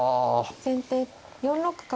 先手４六角。